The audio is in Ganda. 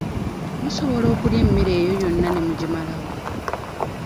Musobola okulya emmere eyo yonna ne mugimalawo?